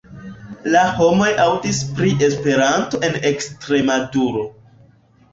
La homoj aŭdis pri Esperanto en Ekstremaduro.